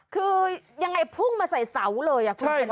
คือยังไงพุ่งมาใส่เสาเลยคุณชนะ